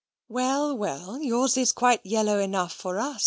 "Well, well; yours is quite yellow enough for us.